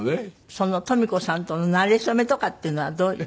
そのとみ子さんとのなれ初めとかっていうのはどういう？